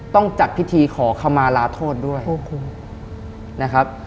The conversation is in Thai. ต้องจัดพิธีขอคำมาลาโทษด้วยนะครับ